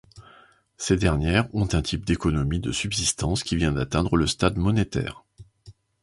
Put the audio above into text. Ces dernières ont un type d'économie de subsistance qui vient d'atteindre le stade monétaire.